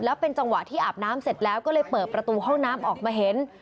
แล้วเป็นจังหวะที่อาบน้ำเสร็จแล้วก็เลยเปิดประตูห้องน้ำออกมาเห็น